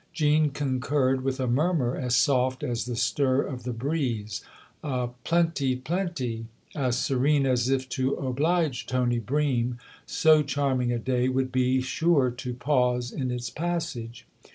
Jean concurred with a murmur as soft as the stir of 164 THE OTHER HOUSE the breeze, a " Plenty, plenty/' as serene as if, to oblige Tony Bream, so charming a day would be sure to pause in its passage.